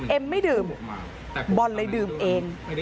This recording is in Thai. ไม่ดื่มบอลเลยดื่มเอง